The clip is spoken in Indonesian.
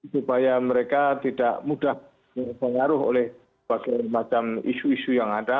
supaya mereka tidak mudah pengaruh oleh macam isu isu yang ada